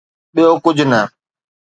ٻيو ڪجھ نه.